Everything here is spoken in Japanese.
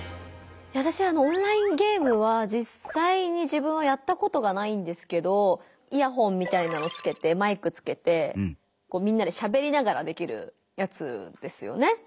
わたしはオンラインゲームはじっさいに自分はやったことがないんですけどイヤホンみたいなのつけてマイクつけてみんなでしゃべりながらできるやつですよね。